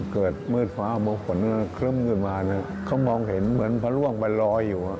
เกิดมืดฟ้าบางฝนครึ่มขึ้นมาเขามองเห็นเหมือนพระร่วงมันลอยอยู่